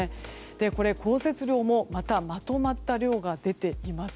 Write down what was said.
降雪量もまた、まとまった量が出ています。